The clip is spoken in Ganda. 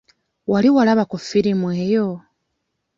Wali walaba ku firimu eyo?